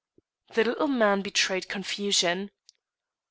The little man betrayed confusion.